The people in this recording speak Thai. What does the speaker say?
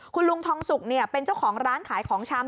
คุณลุงทองสุกเป็นเจ้าของร้านขายของชำ